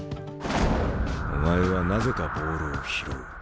お前はなぜかボールを拾う。